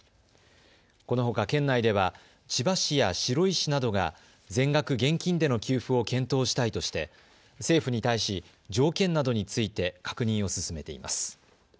このほか県内では千葉市や白井市などが全額現金での給付を検討したいとして政府に対し条件などについて確認を進めています。